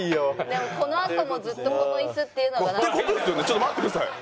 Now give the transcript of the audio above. でもこのあともずっとこの椅子っていうのが。って事ですよね。